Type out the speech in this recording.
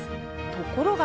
ところが。